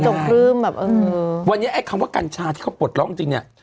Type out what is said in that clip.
ปลื้มแบบเออวันนี้ไอ้คำว่ากัญชาที่เขาปลดล็อกจริงเนี่ย